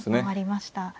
回りました。